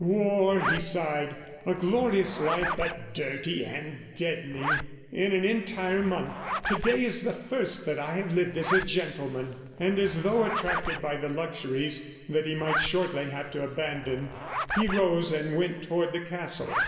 "War," he sighed, "a glorious life, but dirty and deadening! In an entire month to day is the first that I have lived as a gentleman." And as though attracted by the luxuries that he might shortly have to abandon, he rose and went toward the castle.